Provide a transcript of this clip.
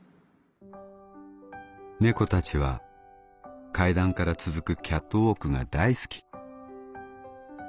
「猫たちは階段から続くキャットウォークが大好き」。